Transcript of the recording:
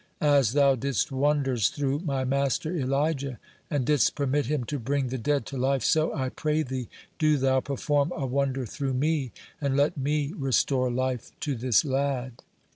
As Thou didst wonders through my master Elijah, and didst permit him to bring the dead to life, so, I pray Thee, do Thou perform a wonder through me, and let me restore life to this lad."